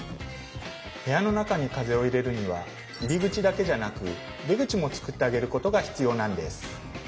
部屋の中に風を入れるには入り口だけじゃなく出口もつくってあげることが必要なんです。